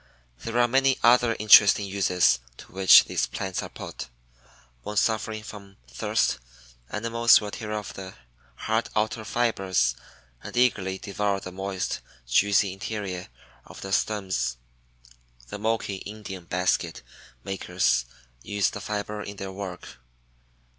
There are many other interesting uses to which these plants are put. When suffering from thirst animals will tear off the hard outer fibers and eagerly devour the moist, juicy interior of the stems. The Moki Indian basket makers use the fiber in their work.